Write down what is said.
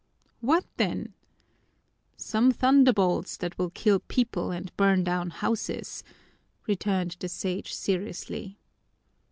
"What, then?" "Some thunderbolts that will kill people and burn down houses," returned the Sage seriously.